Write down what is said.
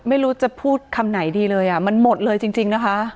ไม่รู้จะพูดคำไหนดีเลยมันหมดเลยจริงนะคะ